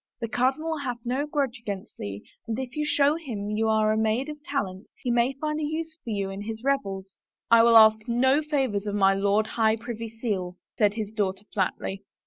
The cardinal hath no grudge against thee and if you show him you are a maid of talent he may find a use for you in his revels." " I will ask no favors of my Lord High Privy Seal," said his daughter flatly.